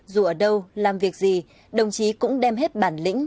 dù ở đâu làm việc gì đồng chí cũng đem hết bản lĩnh